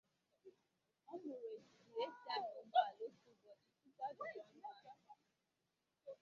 Ọ mụrụ otú e si anya ụgbọala otu ụbọchị tupu ajụjụ ọnụ ahụ.